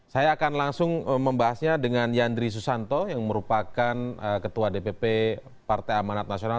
saya akan langsung membahasnya dengan yandri susanto yang merupakan ketua dpp partai amanat nasional